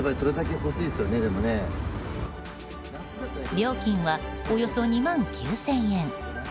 料金は、およそ２万９０００円。